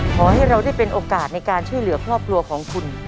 ขอให้เราได้เป็นโอกาสในการช่วยเหลือครอบครัวของคุณ